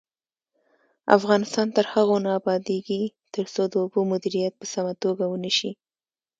افغانستان تر هغو نه ابادیږي، ترڅو د اوبو مدیریت په سمه توګه ونشي.